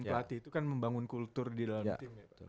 pelatih itu kan membangun kultur di dalam tim